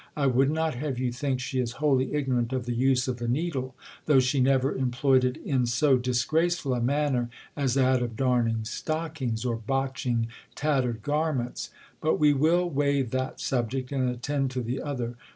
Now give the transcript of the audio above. I would not have you think she is wholly ignorant of the use of the needle, though she never employed it in so disgraceful a manner as that of darning stockings ! or botching tattered garments ! But we will wave that subject, and attend to the other.